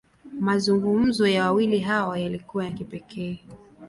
Mazungumzo ya wawili hawa, yalikuwa ya kipekee.